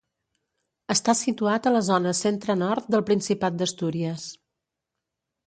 Està situat a la zona centre-nord del Principat d'Astúries.